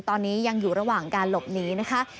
ตอนนี้ยังอยู่ระหว่างการหลบหนีนะคะ